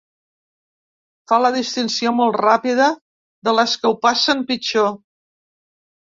Fa la distinció molt ràpida de les que ho passen pitjor.